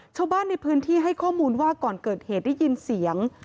ชาวบ้านในพื้นที่ให้ข้อมูลว่าก่อนเกิดเหตุได้ยินเสียง